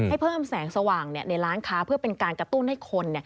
ให้เพิ่มแสงสว่างในร้านค้าเพื่อเป็นการกระตุ้นให้คน